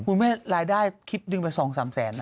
คุณแม่รายได้คลิปหนึ่งไป๒๓แสน